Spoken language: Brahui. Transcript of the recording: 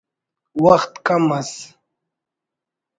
وخت کم ئس